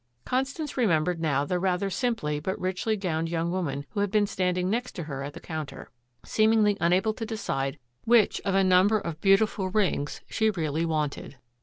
Constance remembered now the rather simply but richly gowned young woman who had been standing next to her at the counter, seemingly unable to decide which of a number of beautiful rings she really wanted.